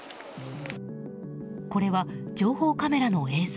これは、情報カメラの映像。